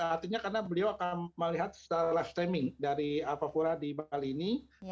artinya karena beliau akan melihat live streaming dari alfa furah di bali ini